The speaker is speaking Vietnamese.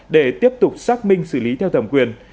để tiếp tục xác minh xử lý theo thẩm quyền